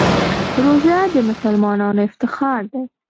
روژه د مسلمانانو افتخار دی.